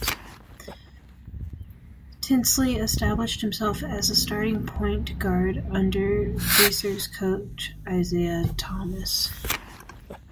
Tinsley established himself as the starting point guard under Pacers coach Isiah Thomas.